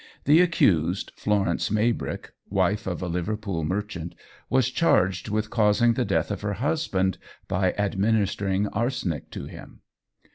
The accused, Florence Maybrick, wife of a Liverpool merchant, was charged with causing the death of her husband by administering arsenic to him.